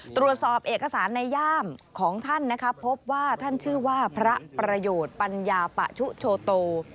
ตรวจสอบเอกสารในย่ามของท่านนะครับพบว่าท่านชื่อว่าพระประโยชน์ปัญญาปะชุโชโต